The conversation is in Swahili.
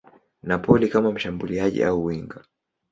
Napoli kama mshambuliaji au winga.